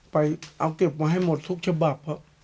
ไปเอาเก็บมาให้หมดทุกฉบับ